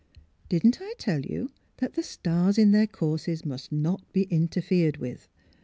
" Didn't I tell you that the stars in their courses must not be interfered with?